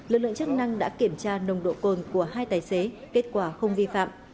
lực lượng chức năng đã kiểm tra nồng độ cồn của hai tài xế kết quả không vi phạm